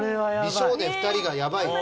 美少年２人がやばいよ。